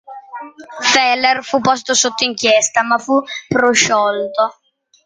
Feller fu posto sotto inchiesta ma fu prosciolto.